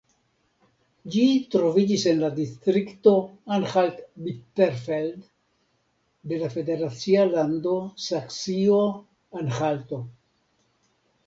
Ĝi troviĝis en la distrikto Anhalt-Bitterfeld de la federacia lando Saksio-Anhalto.